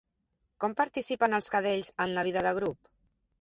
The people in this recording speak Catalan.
Com participen els cadells en la vida de grup?